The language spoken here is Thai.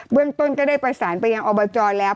เรื่องต้นก็ได้ประสานไปยังอบจแล้ว